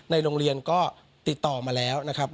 โรงเรียนก็ติดต่อมาแล้วนะครับ